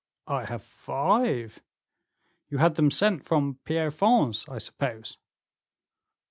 "I have five." "You had them sent from Pierrefonds, I suppose?"